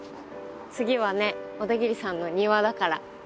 次はね小田切さんの庭だから。